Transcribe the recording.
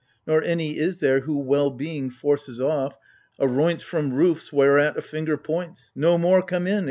Nor any is there who Well being forces off, aroints From roofs whereat a finger points, *' No more come in